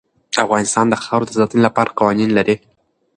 افغانستان د خاوره د ساتنې لپاره قوانین لري.